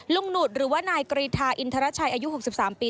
หนุดหรือว่านายกรีธาอินทรชัยอายุ๖๓ปี